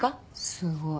すごい。